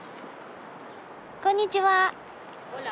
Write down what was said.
こんにちは。